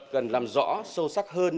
cần làm rõ sâu sắc hơn